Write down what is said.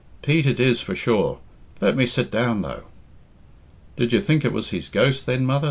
"Pete it is for sure. Let me sit down, though." "Did you think it was his ghost, then, mother!"